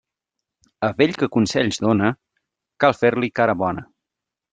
A vell que consells dóna, cal fer-li cara bona.